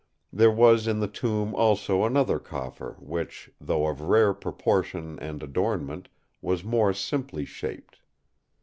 There was in the tomb also another coffer which, though of rare proportion and adornment, was more simply shaped.